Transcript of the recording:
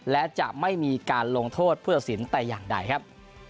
และจะไม่มีการลงโทษผู้ตัดสินแต่อย่างใดครับ